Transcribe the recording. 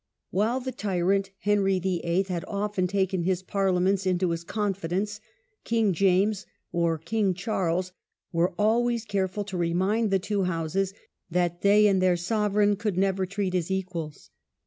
While the tyrant Henry VIII. had often taken his parliaments into his confidence. King James or King Charles were always careful to remind the Two Houses that they and their sovereign could never treat as equals.